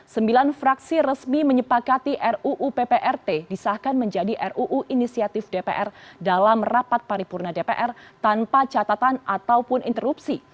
sembilan fraksi resmi menyepakati ruu pprt disahkan menjadi ruu inisiatif dpr dalam rapat paripurna dpr tanpa catatan ataupun interupsi